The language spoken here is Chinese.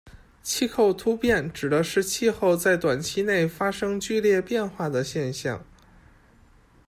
气候突变指的是气候在短期内发生剧烈变化的现象。